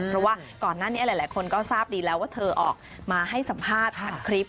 เพราะว่าก่อนหน้านี้หลายคนก็ทราบดีแล้วว่าเธอออกมาให้สัมภาษณ์ผ่านคลิป